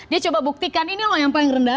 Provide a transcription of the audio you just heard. dia coba buktikan ini loh yang paling rendah